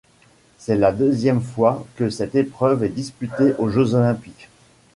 C'est la deuxième fois que cette épreuve est disputée aux Jeux olympiques.